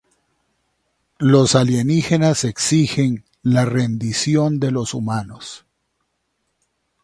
Los alienígenas exigen la rendición de los humanos.